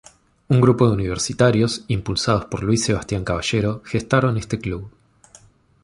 Un grupo de universitarios, impulsados por Luis Sebastián Caballero gestaron este club.